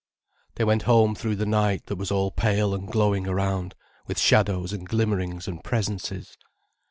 They went home through the night that was all pale and glowing around, with shadows and glimmerings and presences.